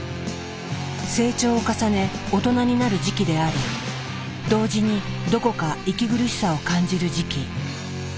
成長を重ね大人になる時期であり同時にどこか息苦しさを感じる時期。